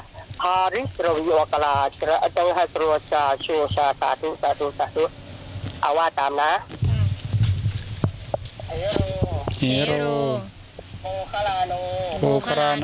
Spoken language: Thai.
สวัสดีครับสวัสดีครับ